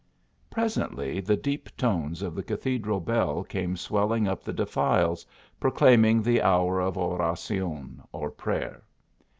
Presently the deep tones of the cathedral bell came swelling up the defiles, proclaiming the hour of Oracion, or prayer.